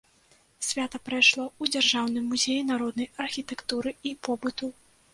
Свята прайшло ў дзяржаўным музеі народнай архітэктуры і побыту.